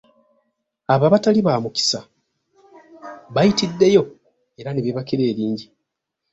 Abo abatali "ba mukisa" bayitiddeyo era ne beebakira eringi.